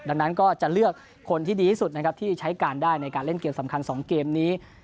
ดังนั้นก็จะเลือกคนที่ดีที่สุดนะครับที่ใช้การได้ในการเล่นเกมสำคัญ๒เกมนี้